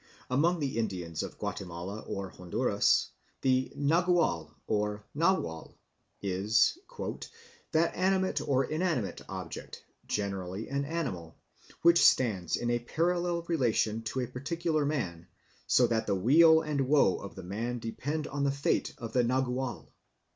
Among the Indians of Guatemala and Honduras the nagual or naual is "that animate or inanimate object, generally an animal, which stands in a parallel relation to a particular man, so that the weal and woe of the man depend on the fate of the _nagual.